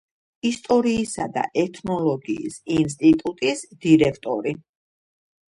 ისტორიისა და ეთნოლოგიის ინსტიტუტის დირექტორი.